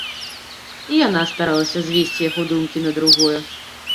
І яна старалася звесці яго думкі на другое.